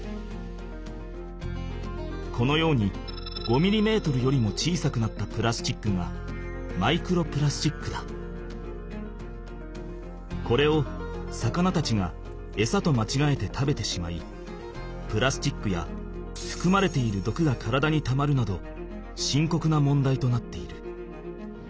このように５ミリメートルよりも小さくなったプラスチックがこれを魚たちがエサとまちがえて食べてしまいプラスチックやふくまれているどくが体にたまるなどしんこくな問題となっている。